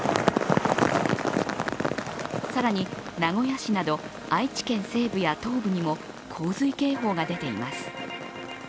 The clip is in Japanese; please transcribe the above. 更に名古屋市など愛知県西部や東部にも洪水警報が出ています。